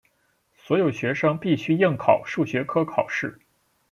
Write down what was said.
所有学生必须应考数学科考试。